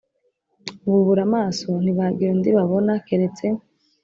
Bubura amaso ntibagira undi babona keretse